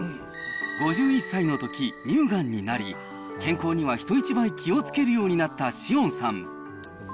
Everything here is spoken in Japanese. ５１歳のとき、乳がんになり、健康には人一倍気をつけるようになった紫苑さん。